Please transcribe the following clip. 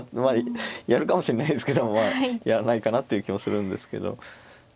まあやるかもしれないですけどまあやらないかなという気もするんですけど。